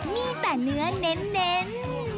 มีแต่เนื้อเน้น